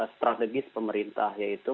strategis pemerintah yaitu